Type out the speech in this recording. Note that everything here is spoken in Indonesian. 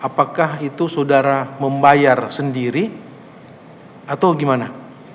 apakah itu saudara membayar sendiri atau gimana